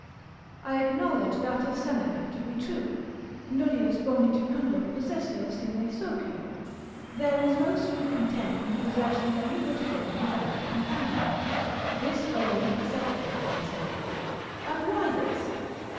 I acknowledge that of Seneca to be true, Nullius boni jucunda possessio sine socio, there is no sweet content in the possession of any good thing without a companion, this only excepted, I say, This. And why this?